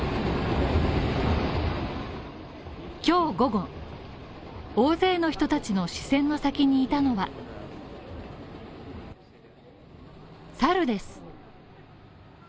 今日午後大勢の人たちの視線の先にいたのはサルです。